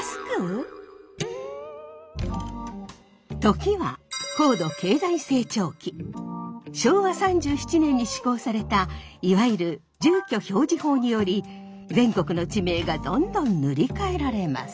時は昭和３７年に施行されたいわゆる住居表示法により全国の地名がどんどん塗り替えられます。